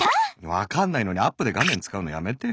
わかんないのにアップで画面使うのやめてよ。